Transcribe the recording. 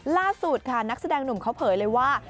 ล่าสุดค่ะนักแสดงหนุ่มเขาเผยเลยว่า